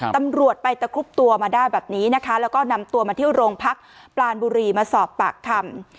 ตำรวจไปตะครุบตัวมาได้แบบนี้นะคะแล้วก็นำตัวมาเที่ยวโรงพักปลานบุรีมาสอบปากคำ